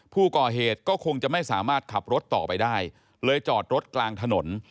ผู้ก่อเหตุก็คงจะไม่สามารถขับรถต่อไปได้เลยจอดรถกลางถนน